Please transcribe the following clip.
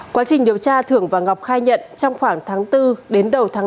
quá trình điều tra thưởng và ngọc khai nhận trong khoảng tháng bốn đến đầu tháng năm